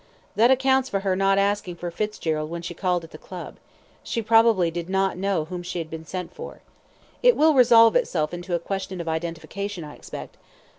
"That accounts for her not asking for Fitzgerald when she called at the Club she probably did not know whom she had been sent for. It will resolve itself into a question of identification, I expect.